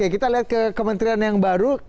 kita lihat ke kementerian yang baru